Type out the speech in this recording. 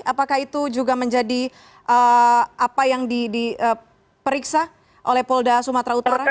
apakah itu juga menjadi apa yang diperiksa oleh polda sumatera utara